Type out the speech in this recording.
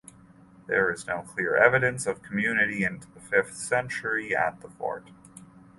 There is no clear evidence of continuity into the fifth century at the fort.